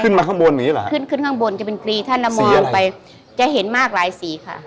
ขึ้นมาข้างบนอย่างนี้หรอขึ้นข้างบนจะเป็นกรีท่านสีอะไรจะเห็นมากหลายสีค่ะ